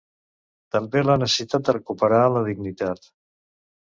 També la necessitat de recuperar la dignitat.